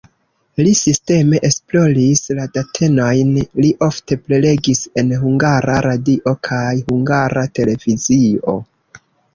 Li sisteme esploris la datenojn, li ofte prelegis en Hungara Radio kaj Hungara Televizio.